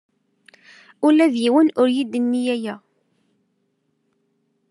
Ula d yiwen ur iyi-d-yenni aya.